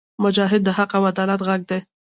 مجاهد د حق او عدالت غږ دی.